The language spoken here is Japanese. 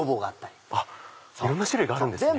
いろんな種類があるんですね。